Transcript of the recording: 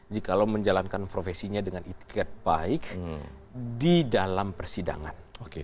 jika lo menjalankan profesinya dengan itikat baik di dalam persidangan